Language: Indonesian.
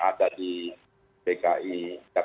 kalau ini salah